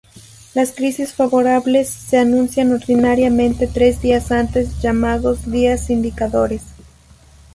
Las crisis favorables se anuncian ordinariamente tres días antes, llamados "días indicadores".